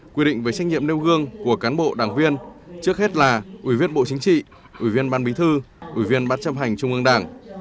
quy định về trách nhiệm nêu gương của cán bộ đảng viên trước hết là ủy viên bộ chính trị ủy viên ban bí thư ủy viên bác chấp hành trung ương đảng